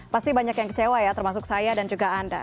pasti banyak yang kecewa ya termasuk saya dan juga anda